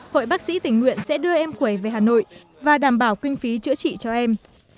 hội bác sĩ tình nguyện sẽ đưa em quẩy về hà nội và đảm bảo kinh phí chữa trị cho em